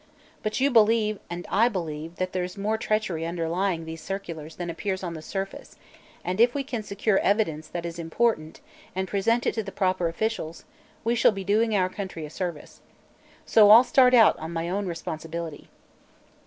But you believe, and I believe, that there's more treachery underlying these circulars than appears on the surface, and if we can secure evidence that is important, and present it to the proper officials, we shall be doing our country a service. So I'll start out on my own responsibility."